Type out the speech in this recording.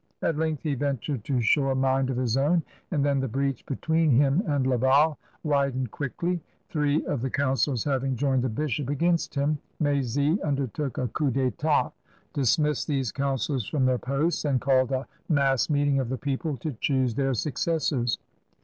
At length he ventured to show a mind of his own; and then the breach between him and Laval widened quickly. Three of the councillors having joined the bishop against him, M6zy undertook a coup cTitatf dismissed these councilors from their posts, and called a mass meeting of the people to choose their successors.